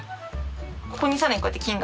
ここにさらにこうやって。